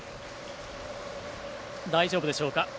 大丈夫でしょうか。